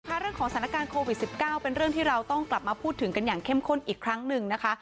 เรื่องของสถานการณ์โควิด๑๙เป็นเรื่องที่เราต้องกลับมาพูดถึงกันอย่างเข้มข้นอีกครั้งหนึ่งนะคะ